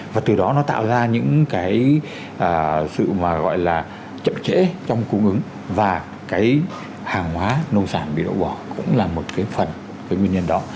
và từ đó nó tạo ra những sự chậm chẽ trong cung ứng và hàng hóa nông sản bị đổ bỏ cũng là một phần nguyên nhân đó